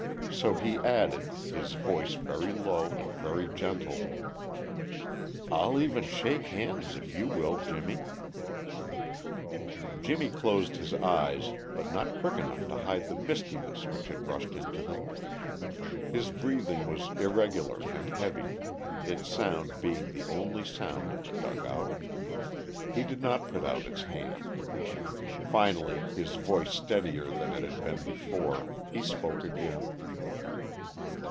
So he added, his voice very low and very gentle, "I'll even shake hands if you will, Jimmie." Jimmie closed his eyes but not quick enough to hide the mistiness which had rushed into them. His breathing was irregular and heavy, its sound being the only sound in the dugout. He did not put out his hand. Finally, his voice steadier than it had been before, he spoke again.